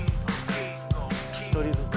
１人ずつ。